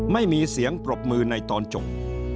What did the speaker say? ไม่มีเสียงปรบมือในตอนจบ